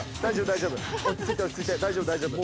大丈夫大丈夫。